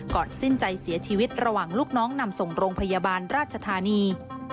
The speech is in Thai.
สิ้นใจเสียชีวิตระหว่างลูกน้องนำส่งโรงพยาบาลราชธานี